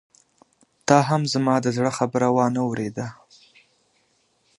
تا هم زما د زړه خبره وانه اورېده.